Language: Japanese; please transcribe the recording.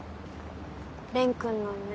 蓮君の目。